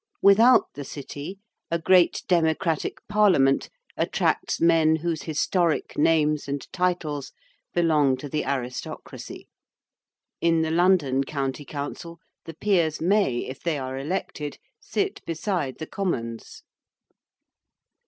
Without the City a great democratic Parliament attracts men whose historic names and titles belong to the aristocracy. In the London County Council the Peers may, if they are elected, sit beside the Commons.